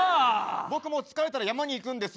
僕も疲れたら山に行くんです。